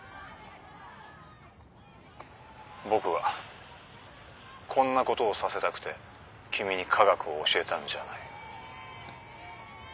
僕はこんなことをさせたくて君に科学を教えたんじゃない。